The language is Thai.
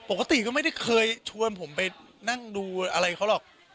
ปกติก็ไม่ได้เคยชวนผมไปนั่งดูอะไรเขาหรอก